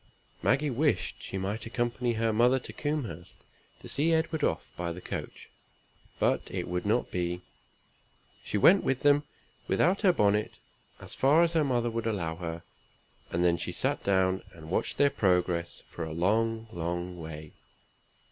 Maggie wished she might accompany her mother to Combehurst to see Edward off by the coach; but it was not to be. She went with them, without her bonnet, as far as her mother would allow her; and then she sat down, and watched their progress for a long, long way.